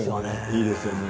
いいですよね。